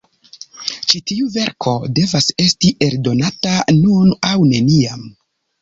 Ĉi tiu verko devas esti eldonata nun aŭ neniam.